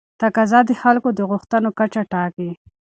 تقاضا د خلکو د غوښتنو کچه ټاکي.